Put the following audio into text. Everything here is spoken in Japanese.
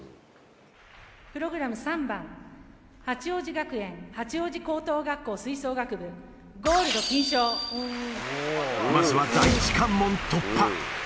プログラム３番、八王子学園八王子高等学校、吹奏楽部、まずは第一関門突破。